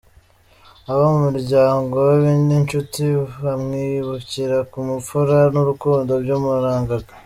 Abo mu muryango we n’inshuti bamwibukira ku bupfura n’urukundo byamurangaga.